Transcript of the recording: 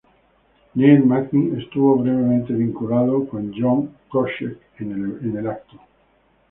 Neil Magny estuvo brevemente vinculado con Josh Koscheck en el evento.